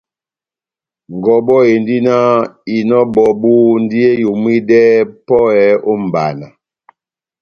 Ngɔbɔ endi náh: Inɔ ebɔbu ndi eyomwidɛ pɔhɛ ó mbana